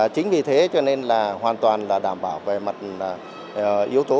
chính vì thế cho nên là hoàn toàn là đảm bảo về mặt yếu tố